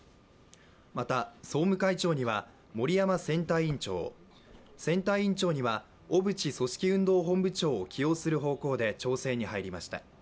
また総務会長には森山選対委員長、選対委員長には小渕組織運動本部長を起用する方向で調整に入りました。